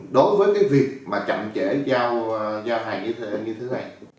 đối với cái việc mà chậm trễ giao hàng như thế này